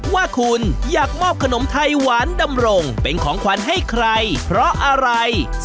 ว่าคุณอยากมอบขนมไทยหวานดำรงเป็นของขวัญให้ใครเพราะอะไร